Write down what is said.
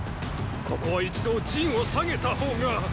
ここは一度陣を退げた方が！